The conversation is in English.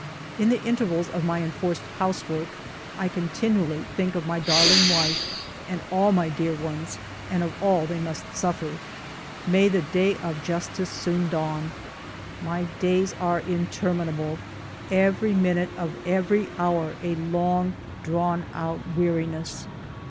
In the intervals of my enforced housework, I continually think of my darling wife and all my dear ones, and of all they must suffer. May the day of justice soon dawn ! My days are interminable ! every minute of every hour a long drawn out weariness.